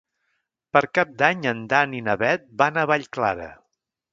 Per Cap d'Any en Dan i na Bet van a Vallclara.